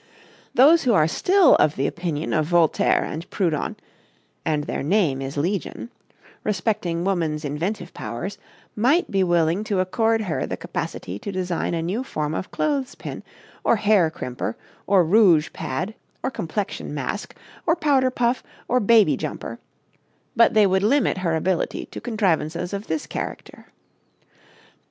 Those who are still of the opinion of Voltaire and Proudhon and their name is legion respecting woman's inventive powers, might be willing to accord to her the capacity to design a new form of clothes pin, or hair crimper, or rouge pad, or complexion mask, or powder puff, or baby jumper; but they would limit her ability to contrivances of this character.